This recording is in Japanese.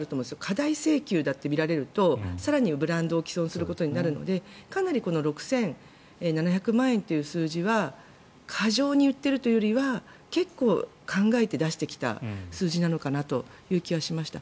過大請求だとみられると更にブランドを毀損することになるのでかなり６７００万円という数字は過剰に言っているというよりは結構、考えて出してきた数字なのかなという気がしました。